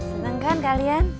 seneng kan kalian